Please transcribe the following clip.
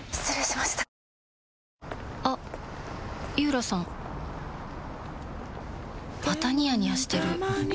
またニヤニヤしてるふふ。